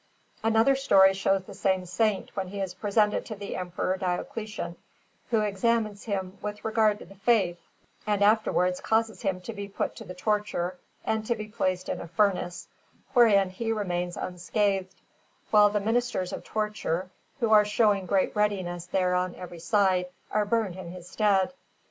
Another story shows the same Saint when he is presented to the Emperor Diocletian, who examines him with regard to the Faith, and afterwards causes him to be put to the torture, and to be placed in a furnace, wherein he remains unscathed, while the ministers of torture, who are showing great readiness there on every side, are burnt in his stead.